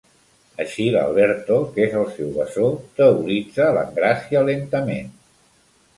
Així l'Alberto, que és el seu bessó... –teoritza l'Engràcia lentament.